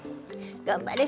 頑張れ！